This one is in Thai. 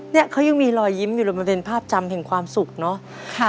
เนี่ยเขายังมีลอยยิ้มอยู่ในบริเวณภาพจำของความสุขเนาะ